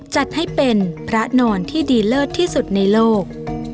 จัดให้เป็นพระนอนที่ดีเลิศที่สุดในโลก